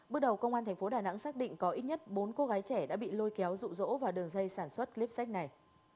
bước đầu công an tp đà nẵng xác định có ít nhất bốn cô gái trẻ đã bị lôi kéo rụ rỗ vào đường dây sản xuất clip sách này